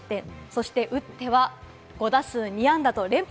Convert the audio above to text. そして打っては５打数２安打と連敗